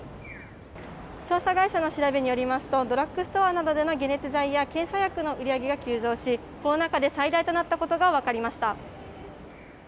調査会社の調べによりますとドラッグストアなどでの解熱剤や検査薬の売り上げが急増しコロナ禍で最大となったことが分かりました。